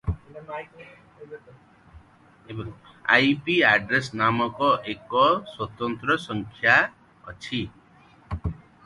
"IP address" ନାମ ଏକ ସ୍ୱତନ୍ତ୍ର ସଂଖ୍ୟା ଅଛି ।